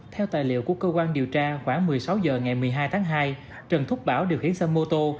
theo tài liệu của cơ quan điều tra khoảng một mươi sáu h ngày một mươi hai tháng hai trần thúc bảo điều khiển xe mô tô